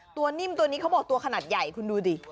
นิ่มตัวนี้เขาบอกตัวขนาดใหญ่คุณดูดิ